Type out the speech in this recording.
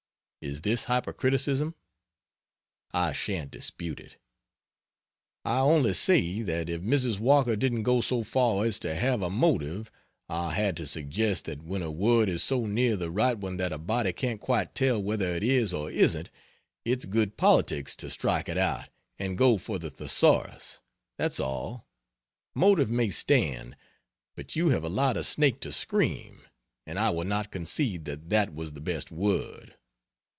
Is this hypercriticism? I shan't dispute it. I only say, that if Mrs. Walker didn't go so far as to have a motive, I had to suggest that when a word is so near the right one that a body can't quite tell whether it is or isn't, it's good politics to strike it out and go for the Thesaurus. That's all. Motive may stand; but you have allowed a snake to scream, and I will not concede that that was the best word.